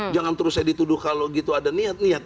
jangan terus saya dituduh kalau gitu ada niat niat